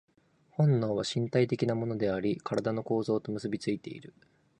本能は身体的なものであり、身体の構造と結び付いている。